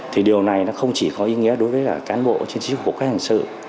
thì điều này không chỉ có ý nghĩa đối với cán bộ trên sức khổ các hành sự